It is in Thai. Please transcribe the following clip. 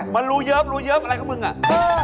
มันรู้เยอะบอะไรของมึงน่ะ